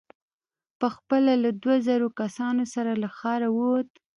په خپله له دوو زرو کسانو سره له ښاره ووت.